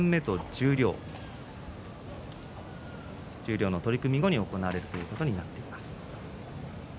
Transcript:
十両の取組後に行われることになっています。